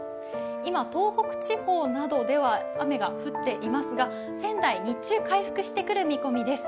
今、東北地方などでは雨が降っていますが仙台、日中、回復してくる見込みです。